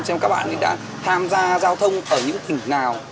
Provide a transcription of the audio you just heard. xem các bạn thì đã tham gia giao thông ở những tỉnh nào